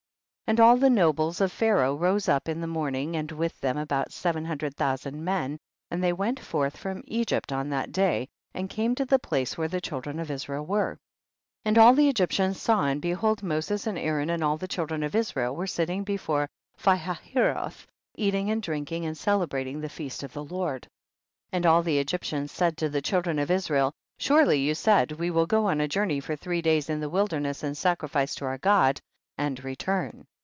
1 1 . And all the nobles of Pharaoh rose up in the morning, and with them about seven hundred thousand men, and they went forth from Egypt on that day, and came to the place where the children of Israel were. 12. And all the Egyptians saw and behold Moses and Aaron and all the children of Israel were silting before Pi hahiroth, eating and drink ing and celebrating the feast of the Lord. 13. And all the Egyptians said to the children of Israel, surely you said, we will go a journey for three days in the wilderness and sacrifice to our God, and return.